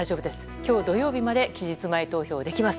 今日土曜日まで期日前投票できます。